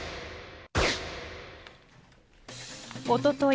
おととい